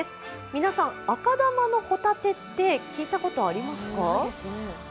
皆さん、赤玉のホタテって聞いたことありますか？